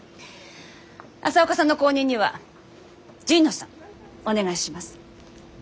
朝岡さんの後任には神野さんお願いします。